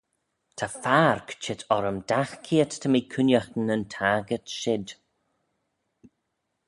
Ta farg çheet orrym dagh keayrt ta mee cooniaghtyn yn taghtyrt shid.